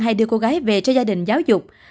hay đưa cô gái về cho gia đình giáo dục